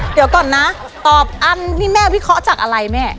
เดี๋ยวก่อนนะตอบอังนี่แม่วิเคราะห์จากอะไรแม่